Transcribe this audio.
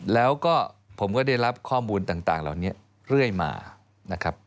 แล้วก็ผมก็ได้รับข้อมูลต่างเหล่านี้เรื่อยมานะครับ